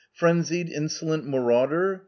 Frenzied, insolent marauder !